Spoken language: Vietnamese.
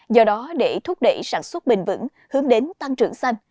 do đó để thúc đẩy sản xuất bền vững hướng đến tăng trưởng xanh